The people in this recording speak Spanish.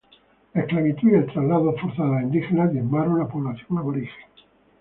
La esclavitud y el traslado forzado de indígenas diezmaron la población aborigen.